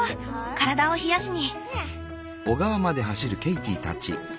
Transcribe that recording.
体を冷やしに。